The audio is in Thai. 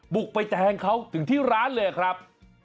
ปลูกไฟแจงเขาถึงที่ร้านเลยอะครับ